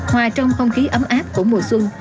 hòa trong không khí ấm áp của mùa xuân